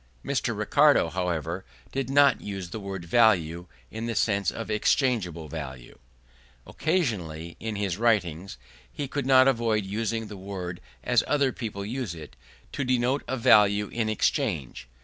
Mr. Ricardo, however, did not use the word value in the sense of exchangeable value. Occasionally, in his writings, he could not avoid using the word as other people use it, to denote value in exchange.